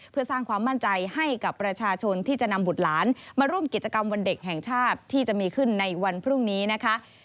เพื่อสร้างความมั่นใจให้กับประชาชนที่จะนำบุตรหลานมาร่วมกิจกรรมวันเด็กแห่งชาติที่จะมีขึ้นในวันพรุ่งนี้นะคะ